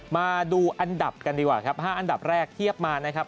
มาดูอันดับกันดีกว่าครับ๕อันดับแรกเทียบมานะครับ